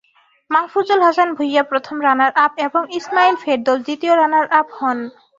মাহফুজুল হাসান ভূঁইয়া প্রথম রানারআপ এবং ইসমাঈল ফেরদৌস দ্বিতীয় রানারআপ হন।